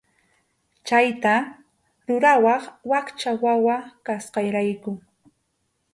Chayta rurawaq wakcha wawa kasqayrayku.